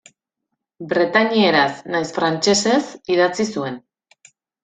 Bretainieraz nahiz frantsesez idatzi zuen.